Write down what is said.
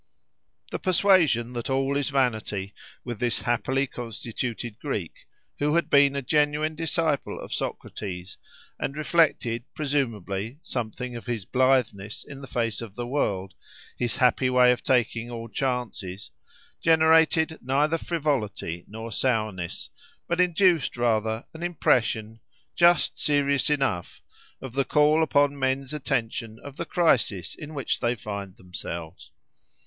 The persuasion that all is vanity, with this happily constituted Greek, who had been a genuine disciple of Socrates and reflected, presumably, something of his blitheness in the face of the world, his happy way of taking all chances, generated neither frivolity nor sourness, but induced, rather, an impression, just serious enough, of the call upon men's attention of the crisis in which they find themselves.